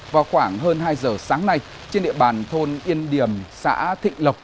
vào khoảng hơn hai giờ sáng nay trên địa bàn thôn yên điểm xã thịnh lộc